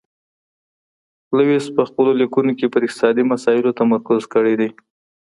لویس په خپلو لیکنو کي پر اقتصادي مسایلو تمرکز کړی دی.